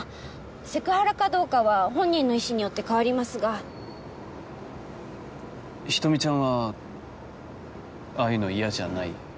セクハラかどうかは本人の意思によって変わりますが人見ちゃんはああいうの嫌じゃない？